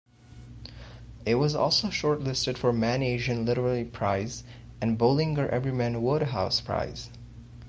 It was also shortlisted for Man Asian Literary Prize and Bollinger Everyman Wodehouse Prize.